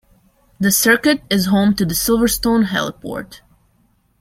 The circuit is home to the Silverstone Heliport.